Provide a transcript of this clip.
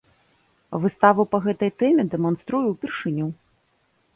Выставу па гэтай тэме дэманструю ўпершыню.